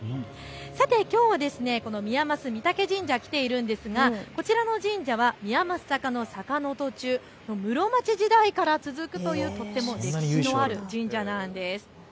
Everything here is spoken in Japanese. さて、きょうは宮益御嶽神社に来ているんですがこちらの神社は宮益坂の坂の途中、室町時代から続くというとっても歴史のある神社なんです。